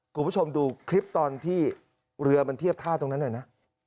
คุณผู้ชมดูคลิปตอนที่เรือมันเทียบท่าตรงนั้นหน่อยนะ